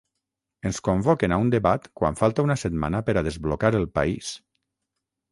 Ens convoquen a un debat quan falta una setmana per a desblocar el país.